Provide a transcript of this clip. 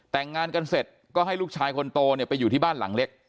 แต่งงานกันเสร็จก็ให้ลูกชายคนโตเนี่ยไปอยู่ที่บ้านหลังเล็ก